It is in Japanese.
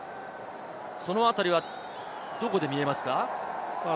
そのあたりはどこで見えますか？